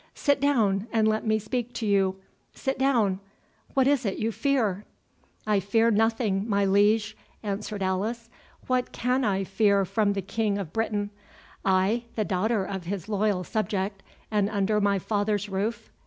"Sit down and let me speak to you—sit down—What is't you fear?" "I fear nothing, my liege," answered Alice. "What can I fear from the King of Britain—I, the daughter of his loyal subject, and under my father's roof?